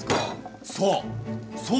そう。